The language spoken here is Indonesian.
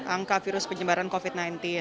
angka virus penyebaran covid sembilan belas